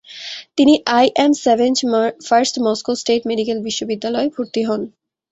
তিনি I M. Sechenov First Moscow State Medical বিশ্ববিদ্যালয়ে ভর্তি হন।